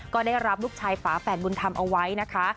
ก็ได้รับลูกชายฝาแฝดบุญธรรมเอาไว้นะคะ